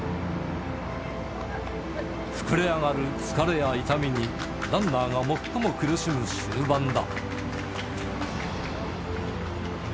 膨れ上がる疲れや痛みに、ランナーが最も苦しむ終盤だ。